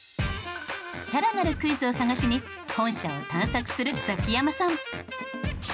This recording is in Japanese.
さらなるクイズを探しに本社を探索するザキヤマさん。